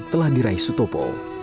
telah diraih sutopo